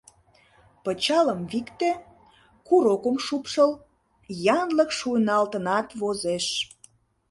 Пычалым викте, курокым шупшыл — янлык шуйналтынат возеш.